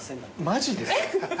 マジですか？